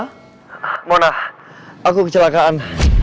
honah aku kecelakaan